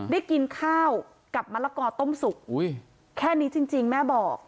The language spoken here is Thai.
ได้กินข้าวกับมะละกอต้มสุกแค่นี้จริงแม่บอก